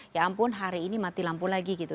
ya ampun hari ini mati lampu lagi gitu